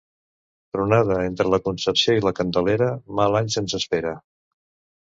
Tronada entre la Concepció i la Candelera, mal any se'ns espera.